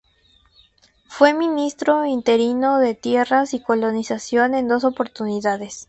Fue Ministro Interino de Tierras y Colonización en dos oportunidades.